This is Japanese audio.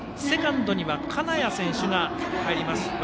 セカンドには銅屋選手が入ります。